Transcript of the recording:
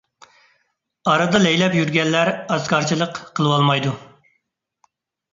ئارىدا لەيلەپ يۈرگەنلەر ئاتىكارچىلىق قىلىۋالمايدۇ.